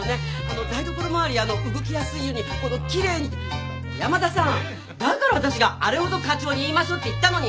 台所回り動きやすいようにきれいに小山田さんだから私があれほど課長に言いましょうって言ったのに！